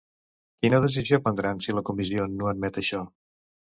Quina decisió prendran si la Comissió no admet això?